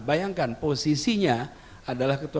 bayangkan posisinya adalah ketua